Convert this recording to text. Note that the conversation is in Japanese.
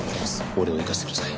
俺を行かせてください